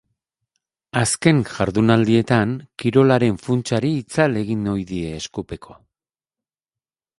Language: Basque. Azken jardunaldietan kirolaren funtsari itzal egin ohi die eskupeko.